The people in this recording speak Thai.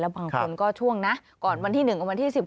บางคนก็ช่วงนะก่อนวันที่๑กับวันที่๑๐